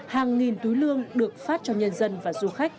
hàng nghìn túi lương được phát cho nhân dân và du khách